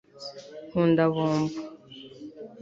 nkunda bombo